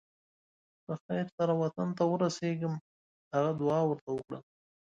په خیر سره وطن ته ورسېږم هغه دعا ورته وکړله.